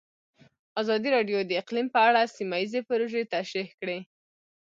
ازادي راډیو د اقلیم په اړه سیمه ییزې پروژې تشریح کړې.